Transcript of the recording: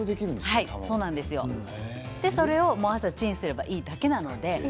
それを朝チンすればいいだけなので。